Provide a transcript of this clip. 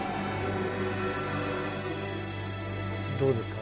どうですか？